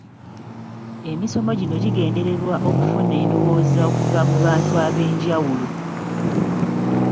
Emisomo gino gigendererwa okufuna endowooza okuva ku bantu ab'enjawulo.